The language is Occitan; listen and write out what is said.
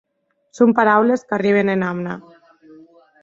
Son paraules qu'arriben ena amna.